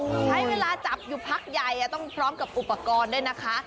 ใช้เวลาจับอยู่พักใหญ่ต้องพร้อมกับอุปกรณ์ด้วยนะคะ